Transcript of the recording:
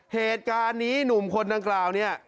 เหตุการณ์หนีหนุ่มคนนั้นกล่าวนี่